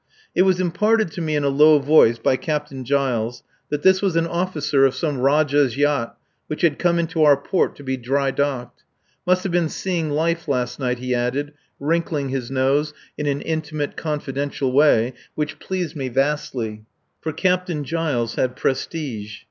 It was imparted to me in a low voice by Captain Giles that this was an officer of some Rajah's yacht which had come into our port to be dry docked. Must have been "seeing life" last night, he added, wrinkling his nose in an intimate, confidential way which pleased me vastly. For Captain Giles had prestige.